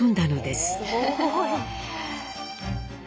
すごい。